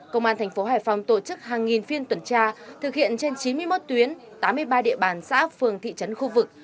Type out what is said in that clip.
công an thành phố hải phòng tổ chức hàng nghìn phiên tuần tra thực hiện trên chín mươi một tuyến tám mươi ba địa bàn xã phường thị trấn khu vực